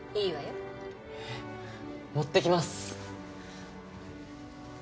持ってきます！